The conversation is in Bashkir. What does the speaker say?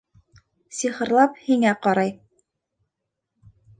Сихырлап һиңә ҡарай.